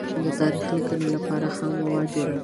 د تاریخ لیکنې لپاره خام مواد جوړوي.